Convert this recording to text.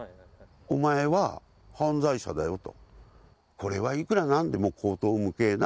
おまえは犯罪者だよと。